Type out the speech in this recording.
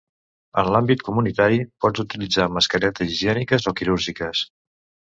En l'àmbit comunitari, pots utilitzar mascaretes higièniques o quirúrgiques.